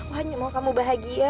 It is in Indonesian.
aku hanya mau kamu bahagia